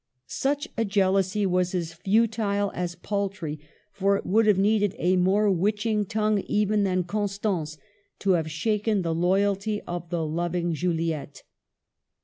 Such a jealousy was as futile as paltry ; for it would have needed a more witching tongue even than Constant's to have shaken the loyalty of the lov ing Juliette.